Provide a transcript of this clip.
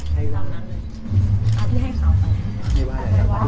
คุณแม่งคุณแม่ง